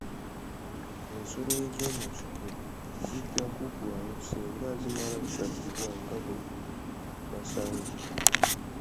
Ensolo ez'omu nsiko zijja kuggwawo singa zimala gattibwa nga bwe basanze.